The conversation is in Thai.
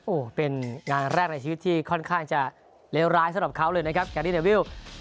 โอ้โหเป็นงานแรกในชีวิตที่ค่อนข้างจะเลวร้ายสำหรับเขาเลยนะครับการดีเดวิล